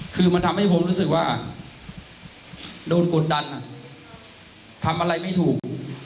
คือมันทำให้ผมรู้สึกว่าโดนกดดันทำอะไรไม่ถูก